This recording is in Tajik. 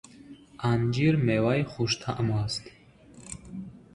Анҷир меваи хуштаъм аст.